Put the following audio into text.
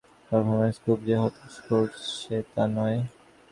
তারপরও দেশি ক্রিকেটারদের পারফরম্যান্স খুব যে হতাশ করছে, তা নয়।